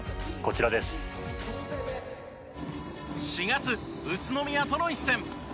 ４月宇都宮との一戦。